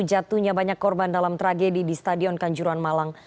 jatuhnya banyak korban dalam tragedi di stadion kanjuruhan malang